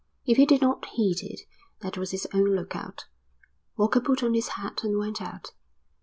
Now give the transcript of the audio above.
If he did not heed it that was his own lookout. Walker put on his hat and went out.